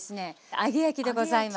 揚げ焼きでございます。